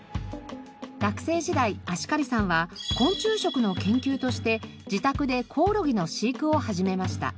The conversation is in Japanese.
学生時代葦苅さんは昆虫食の研究として自宅でコオロギの飼育を始めました。